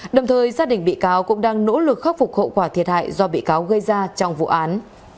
đồng thời gia đình bị cáo cũng đang nỗ lực khắc phục hậu quả thiệt hại do bị cáo gây ra trong vụ án